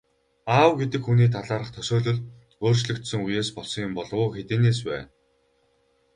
Аав гэдэг хүний талаарх төсөөлөл өөрчлөгдсөн үеэс болсон юм болов уу, хэдийнээс вэ?